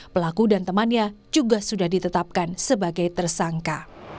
pelaku dan temannya juga sudah ditetapkan sebagai tersangka